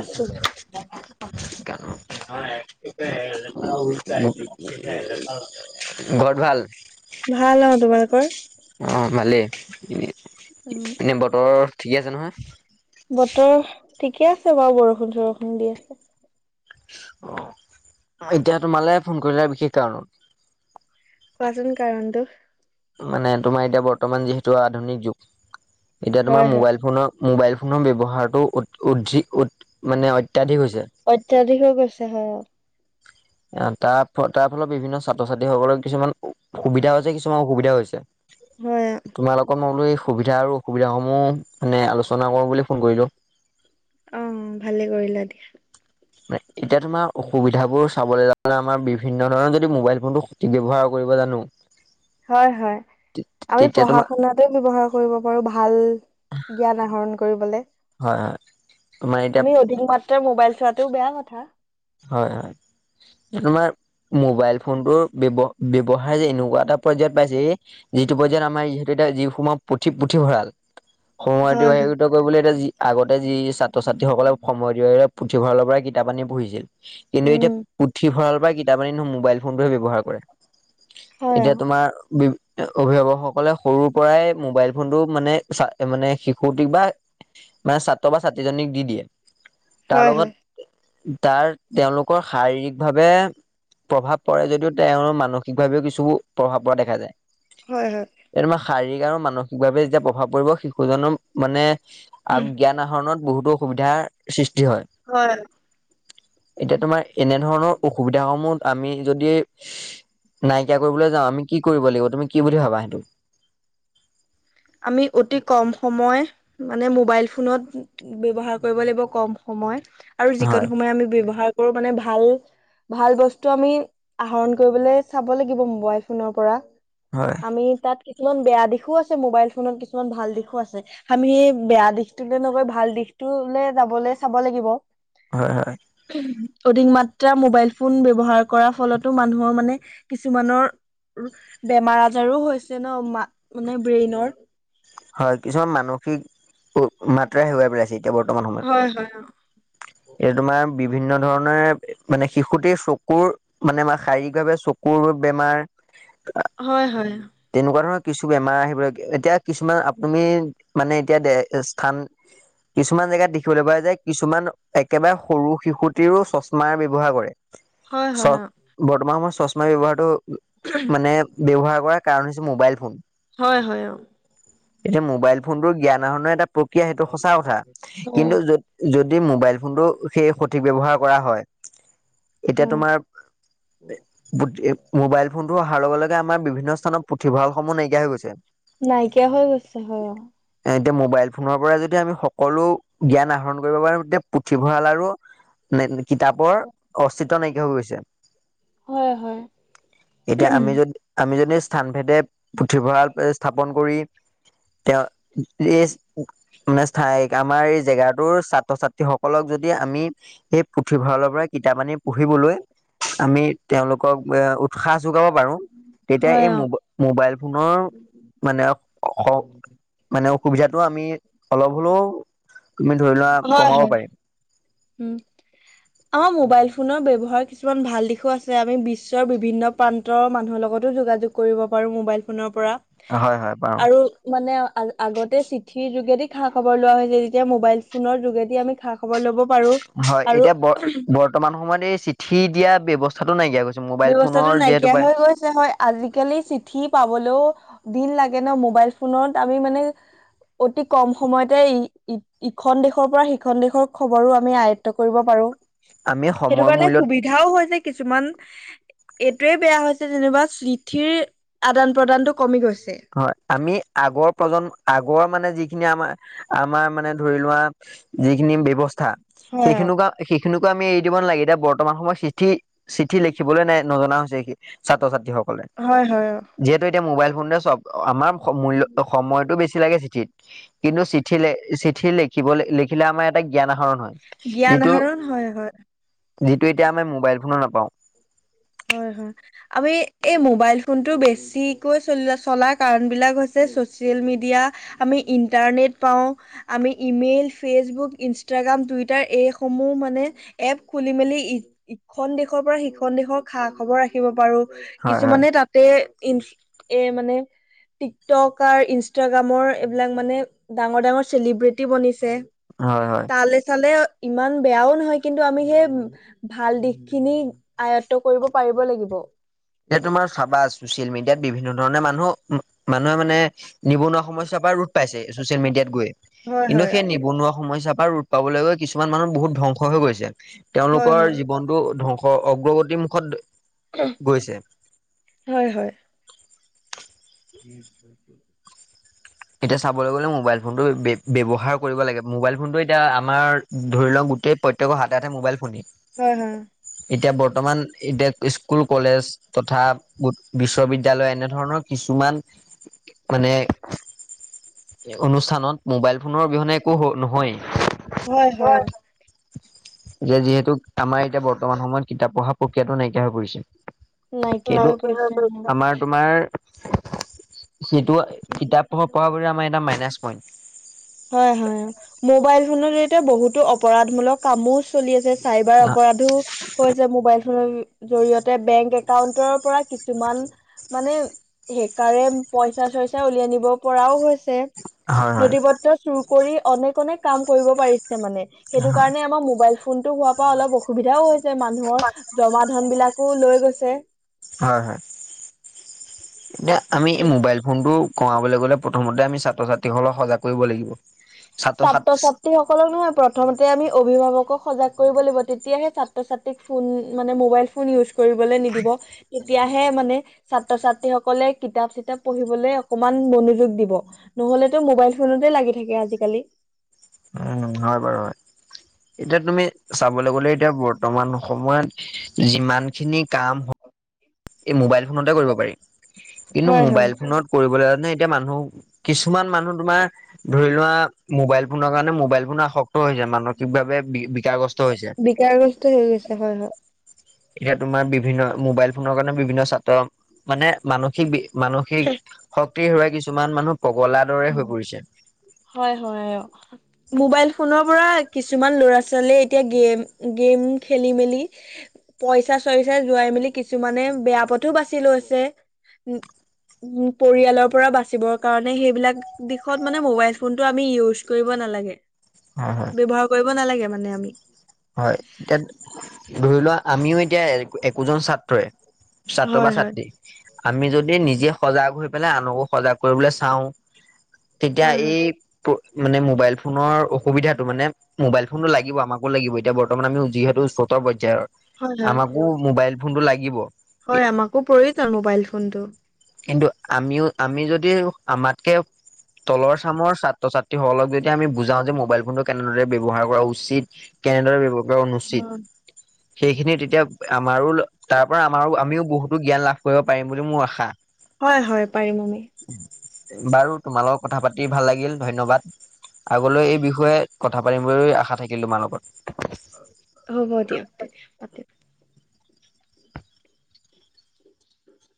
আছো। [unintelligible] ঘৰত ভাল ভাল আৰু তোমালোকৰ? অ, ভালেই উম, এনেই বতৰৰ, ঠিকেই আছে নহয়? বতৰ ঠিকে আছে বাৰু, বৰষুণ-চৰষুণ দি আছে। অ', এতিয়া তোমালে ফোন কৰিলো বিশেষ কাৰণত। কোৱাচোন কাৰণটো। মানে তোমাৰ এতিয়া বৰ্তমান যিহেতু আধুনিক যুগ, এতিয়া হয় তোমাৰ হয় মোবাইল ফোনৰ মোবাইল ফোনৰ ব্যৱহাৰটো অ-অধি-উট, মানে অত্যাধিক হৈছে। অত্যাধিক হৈ গৈছে হয় অ'। অ', তা-তাৰ তাৰ ফলত বিভিন্ন ছাত্ৰ ছাত্ৰীসকলৰ কিছুমান সু-সুবিধা হৈছে কিছুমান অসুবিধা হৈছে। হয় তোমাৰ লগত মই বোলো এই সুবিধা আৰু অসুবিধাসমূহ মানে আলোচনা কৰো বুলি ফোন কৰিলো। অ', ভালেই কৰিলা দিয়া। মানে এতিয়া তোমাৰ অসুবিধাবোৰ চাবলৈ [unintelligible] আমাৰ বিভিন্ন ধৰণৰ যদি মোবাইল ফোনটো ব্যৱহাৰ কৰিব জানো, হয় হয় আমি তে-তেতিয়া পঢ়া তোমাৰ শুনাতো ব্যৱহাৰ কৰিব পাৰো ভাল জ্ঞান আহৰণ কৰিবলে। হয়, হয়। তোমাৰ এতিয়া আমি অধিক মাত্ৰা মোবাইল চোৱাটোও বেয়া কথা। হয়, হয়, তোমাৰ মোবাইল ফোনটোৰ ব্যয় ব্যৱহাৰে যে এনেকুৱা এটা পৰ্যায়ত পাইছেহি যিটো পৰ্যায়ত আমাৰ যিহেতু এতিয়া যি সময় পুথি-পুথিভঁৰাল হয় হয়। সময়টো কৰিবলৈ এতিয়া যি আগতে যি ছাত্ৰ ছাত্ৰীসকলে সময় দি পেলাই পুথিভৰালৰ পৰাই কিতাপ আনি পঢ়িছিল। কিন্তু উম এতিয়া পুথিভঁৰালৰ পৰা কিতাপ আনি ন মোবাইল ফোনটোহে ব্যৱহাৰ কৰে। হ এতিয়া তোমাৰ বি অভিভাৱকসকলে সৰুৰ পৰাই মোবাইল ফোনটো মানে চা মানে শিশুটিক বা মানে ছাত্ৰ বা ছাত্ৰীজনীক দি দিয়ে, তাৰ হয় হয় লগত তাৰ তেওঁলোকৰ শাৰীৰিক ভাৱে প্ৰভাৱ পৰে যদিও তেওঁৰ মানসিকভাৱেও কিছু প্ৰভাৱ পৰা দেখা যায়। হয়, হয়। এইটোমা শাৰীৰিক আৰু মানসিকভা ৱেই যেতিয়া প্ৰভাৱ পৰিব শিশুজনৰ মানে, জ্ঞান আহৰণত বহুতো সুবিধাৰ সৃষ্টি হয়। হয়। এতিয়া তোমাৰ এনে ধৰণৰ অসুবিধা সমূহ আমি যদি নাইকিয়া কৰিবলৈ যাওঁ আমি কি কৰিব লাগিব? তুমি কি বুলি ভাবা সেইটো? আমি অতি কম সময়, মানে মোবাইল ফোনত ব্যৱহাৰ কৰিব লাগিব কম সময়, আৰু যিকোন হয়, সময় আমি ব্যৱহাৰ কৰো মানে ভাল ভাল বস্তু আমি আহৰণ কৰিবলৈ চাব লাগিব মোবাইল ফোনৰ পৰা। হয়। আমি তাত কিছুমান বেয়া দিশো আছে মোবাইল ফোনত কিছুমান ভাল দিশো আছে। আমি এই বেয়া দিশটোলে নগৈ ভাল দিশটোলে যাবলে চাব লাগিব। হয়, হয়। অধিক মাত্ৰা মোবাইল ফোন ব্যৱহাৰ কৰাৰ ফলতো মানুহৰ মানে কিছুমানৰ বেমাৰ আজাৰো হৈছে ন, মা মানে ব্ৰেইনৰ। হয়, কিছুমান মানসিক উ মাত্ৰাই হেৰুৱাই পেলাইছে এতিয়া বৰ্তমান সম হয়, হয়, অ'। এতিয়া তোমাৰ বিভিন্ন ধৰণৰ মানে শিশুটিয়ে চকুৰ মানে আমাৰ শাৰীৰিক ভাৱে চকু কুৰ বেমাৰ হয়, হয়, অ'। তেনেকুৱা ধৰণৰ কিছু বেমাৰ আহিবলৈ এতিয়া কিছুমান আপুনি মানে এতিয়া দে স্থান কিছুমান জেগাত দেখিবলৈ পাই যে কিছুমান একেবাৰে সৰু শিশুটিৰো চশমা ব্যৱহাৰ কৰে। চ হয়-হয়, অঁ! বৰ্তমান সময়ত চশমা ব্যৱহাৰটো মানে ব্যৱহাৰ কৰা কাৰণ হৈছে মোবাইল ফোন। হয় হয় অ এতিয়া মোবাইল ফোনটো জ্ঞান আহৰণৰ এটা প্ৰক্ৰিয়া সেইটো সঁচা কথা। হয় কিন্তু য যদি মোবাইল ফোনটো সেই সঠিক ব্যৱহাৰ কৰা হয়। এতিয়া হয় তোমাৰ [unintelligible] মোবাইল ফোনটো অহাৰ লগে-লগে আমাৰ বিভিন্ন স্থানত পুথিভঁৰাল সমূহ নাইকিয়া হৈ গৈছে। নাইকিয়া হৈ গৈছে হয়। এ এতিয়া মোবাইল ফোনৰ পৰা যদি আমি সকলো জ্ঞান আহৰণ কৰিব পাৰোঁ তেতিয়া পুথিভঁৰাল আৰু [unintelligible] কিতাপৰ অস্তিত্ব নাইকিয়া হৈ গৈছে। হয়-হয়। এতিয়া আমি যদি আমি যদি স্থানভেদে পুথিভঁৰাল এই স্থাপন কৰি তেওঁ এই মানে ঠাইত আমাৰ এই জেগাত টোৰ ছাত্ৰ-ছাত্ৰী সকলক যদি আমি এই পুথিভঁৰালৰ পৰা কিতাপ আনি পঢ়িবলৈ আমি তেওঁলোকক এ উৎসাহ যোগাব পাৰোঁ তেতিয়া হয় এই অ মো মোবাইল ফোনৰ মানে খক মানে অসুবিধাটো আমি অলপ হ'লেও তুমি ধৰি লোৱা হয় কমাব হয় পাৰিম। উম! আমাৰ মোবাইল ফোনৰ ব্যৱহাৰ কিছুমান ভাল দিশো আছে আমি বিশ্বৰ বিভিন্ন প্ৰান্তৰ মানুহৰ লগতো যোগাযোগ কৰিব পাৰোঁ মোবাইল ফোনৰ পৰা। হয়-হয়, পাওঁ। আৰু মানে আ-আগতে চিঠিৰ যোগেদি খা খবৰ লোৱা হৈছে। যেতিয়া মোবাইল ফোনৰ যোগেদি আমি খা খবৰ ল'ব পাৰো হয়। আৰু এতিয়া বৰ বৰ্তমান সময়ত এই চিঠি দিয়া ব্যৱস্থাটো নাইকিয়া হৈ গৈছে। মোবাইল ব্যৱস্থাটো ফোনৰ যিহেতু নাইকিয়া পাই হৈ গৈছে হয়। আজিকালি চিঠি পাবলৈও দিন লাগে ন, মোবাইল ফোনত আমি মানে অতি কম সময়তে ই-ই ইখন দেশৰ পৰা সিখন দেশৰ খবৰো আমি আয়ত্ব কৰিব পাৰোঁ। আমি সেইটো সময় কাৰণে মূল্যত সুবিধাও হৈছে কিছুমান। এইটোৱে বেয়া হৈছে যেনিবা চিঠিৰ আদান-প্ৰদানটো কমি গৈছে। হয়। আমি আগৰ প্ৰজন্ম আগৰ মানে যিখিনি আমাৰ-আমাৰ মানে ধৰি লোৱা যিখিনি ব্যৱস্থা হয় অ। সেইখিনিকা সেইখিনিকো আমি এৰি দিব নালাগে। এতিয়া বৰ্তমান সময়ত চিঠি চিঠি লিখিবলে নাই নজনা হৈছে সেই ছাত্ৰ-ছাত্ৰীসকলে। হয়-হয়। অ! যিহেতু এতিয়া মোবাইল ফোনতে চব আমাৰ মূল্য সময়টো বেছি লাগে চিঠিত। কিন্তু চিঠি লে চিঠি লিখিবলে লিখিলে আমাৰ এটা জ্ঞান আহৰণ হয়। জ্ঞান যিটো আহৰণ হয়-হয়। যিটো এতিয়া আমি মোবাইল ফোনো নাপাওঁ। হয়-হয়। আমি এই মোবাইল ফোনটো বেছিকৈ চলি চলাৰ কাৰণবিলাক হৈছে ছ'চিয়েল মিডিয়া। আমি ইণ্টাৰনেট পাওঁ, আমি ইমেইল ফেচবুক, ইনষ্টাগ্ৰাম, টুইটাৰ এইসমূহ মানে এপ খুলি মেলি ই ইখন দেশৰ পৰা সিখন দেশৰ খা খবৰ ৰাখিব পাৰোঁ। হয় হয় কিছুমানে তাত তাতে ই [unintelligible] এ মানে টিকটক কাৰ, ইনষ্টাগ্ৰামৰ এইবিলাক মানে ডাঙৰ-ডাঙৰ চেলিব্ৰেটি বনিছে। হয় হয় তালে চালে ইমান বেয়াও নহয় কিন্তু আমি সেই ভাল দিশ খিনি আয়ত- তই কৰিব পাৰিব লাগিব- এইটো মানে চাবাচ চচিয়েল মিডিয়াত বিভিন্ন ধৰণে মানুহ মানুহে মানে- নিবনুৱা সমস্যাৰ পৰা ৰোট পাইছে ছচিয়েল মিডিয়াত গৈ হয় কিন্তু হয় সেই নিবনুৱা সমস্যাৰ পৰাট- পাবলে গৈ কিছু- কিছুমান মানুহ বহুত ধ্বংস হৈ গৈছে হয় তেওঁলোকৰ হয় জীৱনতটো ধ্বংস অগ্ৰগতিৰ মুুখত- সে হয়ঁ হয়ঁ! নিচ ছয় ফোট। এতিয়া চাবলৈ গ'লে মোবাইল ফোনটো বে বে ব্যৱহাৰ কৰিব লাগে মোবাইল ফোনটো এতিয়া আমাৰ- ধৰি লওঁ গোটেই প্ৰত্য়েকৰ হাতে-হাতে মোবাইল ফোনে- হয় হয় এতিয়া বৰ্তমান এতিয়া স্কুল কলেজ তথা- বুট বিশ্ববিদ্যালয় এনেধৰণৰ কিছুমান মানে- এক অনুষ্ঠানত মোবাইল ফোনৰ অবিহনে একো নহয় হয়। এতিয়া যিহেতু আমাৰ এতিয়া বৰ্তমান সময়ত কিতাপ পঢ়া প্ৰক্ৰিয়াতটো নাইকিয়া হৈ পৰিছে। নাইকিয়া এইটো হৈ গৈছে আমাৰ তোমাৰ যিটো কিতাপ- পঢ়া বুলি আমাৰ এটা মাইনাছ পইণ্ট। হয়ঁ হয়ঁ অঁ। মোবাইল ফোনৰ জৰিয়তে বহুতো অপৰাধমূলক কামো চলি আছে চাইবাৰ হয় অপৰাধো। কয় যে মোবাইল ফোন বি বি - জৰিয়তে বেংক একাউন্টৰ পৰা কিছুমান মানে হেকাৰে- পইচা চইচা উলিয়াই নিব পৰাও হৈছে? হয় নঠি পত্ৰ চুৰ কৰি অনেক অনেক কাম কৰিব পাৰিছে মানে। সেইটো কাৰণে আমাৰ মোবাইল ফোন- ফোনতটো হোৱাৰ পৰা অলপ অসুবিধাও হৈছে মানুহৰ জমা ধন বিলাকো লৈ গৈছে। হয়ঁ হয়ঁ এতিয়া আমি মোবাইল- ফোনটো কমাবলৈ গ'লে প্ৰথমতে আমি ছাত্ৰ ছাত্ৰীসকলক সজাগ কৰিব লাগিব। ছাত্ৰ ছাত্ৰী সকলক নহয় প্ৰথমতে আমি অভিভাৱকক সজাগ কৰিব লাগিব তেতিয়াহে ছাত্ৰ ছাত্ৰী- ফোন মানে মোবাইল ফোন ইউজ কৰিবলৈ নিদিব। তেতিয়াহে মানে ছাত্ৰ ছাত্ৰী সকলে কিতাপ চিতাপ পঢ়িবলৈ অকমান মনোযোগ দিব। নহলেটো মোবাইল ফোননতেই লাগি থাকে আজিকালি। উমঁ হয় বাৰু হয় এতিয়া তুমি চাবলৈ গলে এতিয়া বৰ্ত- বৰ্তমান সময়ত যিমান খিনি কাম হয়। এই মোবাইল ফোনতে কৰিব পাৰি কিন্তু হয় হয় মোবাইল ফোনত কৰিবলৈ এতিয়া মানুহ কিছুমান মানুহ তোমাৰ- ধৰি লোৱা মোবাইল ফোনৰ কাৰণে মোবাইল ফোন আসক্ত হৈছে মানসিকভাৱে বিকাৰগ্ৰস্ত হৈছে। বিকাৰগ্ৰস্ত হৈ গৈছে হঁয় হঁয়। এতিয়া তোমাৰ বিভিন্ন মোবাইল ফোনৰ কাৰণে বিভিন্ন ছাত্ৰ মানে মানসিক মানসিক শক্তিৰ হেৱাই কিছুমান মানুহ পগলাৰ দৰে হৈ পৰিছে্। হয়ঁ মোবাইল- ফোনৰ পৰা কিছুমান ল'ৰা ছোৱালীয়ে এতিয়া গেম গেম খেলি মেলি- পইচা চইচাই যোৱাই মেলি কিছুমানে বেয়া পথোও বাচি লৈছে। উমঁ পৰিয়ালৰ পৰা বাচিবৰ কাৰণে সেইবিলাক দিশত মানে মোবাইল ফোনতটো আমি ইউজ কৰিব নালাগে। হয়ঁ হয়ঁ! ব্যৱহাৰ কৰিব নালাগে মানে আমি। হয়, এতিয়া ধৰি লোৱা আমিও এতিয়া একোজন ছাত্ৰই। ছাত্ৰ হয় বা হয় ছাত্ৰী, আমি যদি নিজে সজাগ হৈ পেলাই আনকো সজাগ কৰিবলৈ চাওঁ। তেতিয়া হয় হয় এই মানে মোবাইল ফোনৰ অসুবিধাটো মানে। মোবাইল ফোনটো লাগিব আমাকো লাগিব, এতিয়া বৰ্তমান আমি যিহেতু উচ্চতৰ পৰ্যায়ৰ। হয় হয় আমাকো মোবাইল ফোনটো লাগিব। হয় আমাকো প্ৰয়োজন মোবাইল ফোনটো। কিন্তু আমিও আমি যদি আমাতকে তলৰ চামৰ ছাত্ৰ ছাত্ৰী সকলক যেতিয়া আমি বুজাও যে, মোবাইল ফোনটো কেনেদৰে ব্যয়ৱহাৰ কৰা উচিত। কেনেদৰে ব্যৱহাৰ কৰা অনুচিত। হয় সেইখিনি তেতিয়া আমাৰোও, তাৰপৰা আমাৰোও আমিও বহুতো জ্ঞান লাভ কৰিব পাৰিম বুলি মোৰ আশা। হয়, হয় পাৰিম আমি। বাৰু তোমাৰ লগত কথা পাতি ভাল লাগিল ধন্যবাদ। আগলেও এই বিষয়ে কথা পাতিম বুলি আশা থাকিল তোমাৰ লগত। হ'ব দিয়ক তেতিয়া পাতিম।